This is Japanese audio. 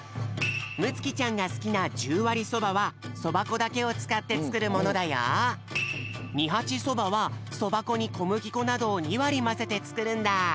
むつきちゃんがすきなじゅうわりそばはそばこだけをつかってつくるものだよ。にはちそばはそばこにこむぎこなどを２わりまぜてつくるんだ。